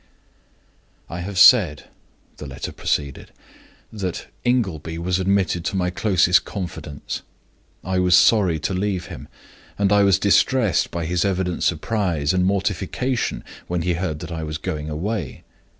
"I have said" the letter proceeded "that Ingleby was admitted to my closest confidence. I was sorry to leave him; and I was distressed by his evident surprise and mortification when he heard that I was going away.